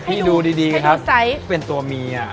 ให้ดูไซส์พี่ดูดีครับเป็นตัวมีอ่ะ